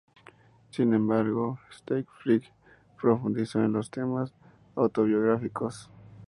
Sin embargo, en "Stage Fright" profundizó en los temas autobiográficos.